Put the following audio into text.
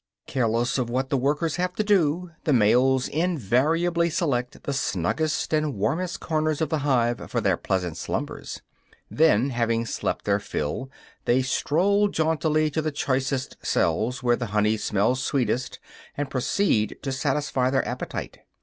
Careless of what the workers have to do, the males invariably select the snuggest and warmest corners of the hive for their pleasant slumbers; then, having slept their fill, they stroll jauntily to the choicest cells, where the honey smells sweetest, and proceed to satisfy their appetite.